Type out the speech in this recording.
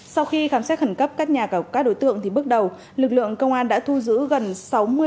sau khi khám xét khẩn cấp các nhà các đối tượng thì bước đầu lực lượng công an đã thu giữ gần sáu mươi tỷ đồng